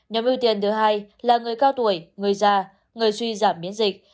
nhóm ưu tiên thứ hai là người cao tuổi người già người suy giảm miễn dịch